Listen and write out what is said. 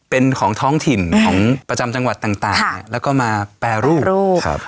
เป็นของท้องถิ่นของประจำจังหวัดต่างแล้วก็มาแปรรูปครับ